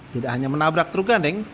tidak hanya menabrak truk gandeng